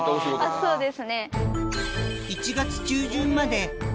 そうです。